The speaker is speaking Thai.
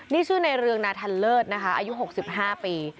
นี่ชื่อในเรืองนาทันเลิศนะคะอายุ๖๕ปี